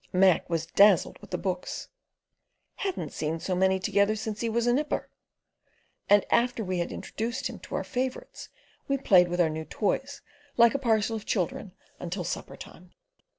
Mac was dazzled with the books. "Hadn't seen so many together since he was a nipper"; and after we had introduced him to our favourites, we played with our new toys like a parcel of children, until supper time.